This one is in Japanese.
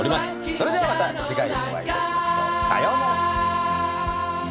それではまた次回お会いいたしましょう。さようなら。